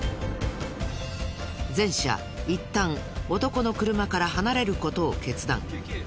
全車いったん男の車から離れる事を決断。